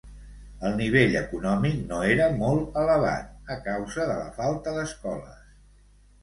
El nivell econòmic no era molt elevat, a causa de la falta d'escoles.